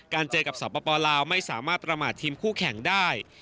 เจอกับสปลาวไม่สามารถประมาททีมคู่แข่งได้